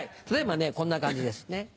例えばこんな感じです